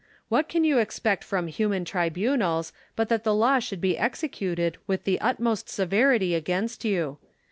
What can you expect from human tribunals but that the law should be executed with the utmost severity against you?